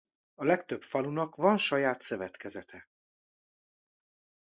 A legtöbb falunak van saját szövetkezete.